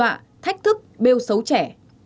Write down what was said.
và thách thức bêu xấu trẻ